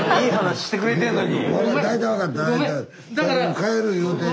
帰る言うてる。